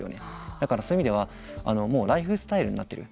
だから、そういう意味ではライフスタイルになっている。